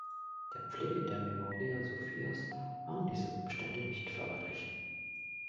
Der Pflege der Memoria Sophias waren diese Umstände nicht förderlich.